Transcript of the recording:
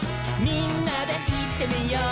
「みんなでいってみよう」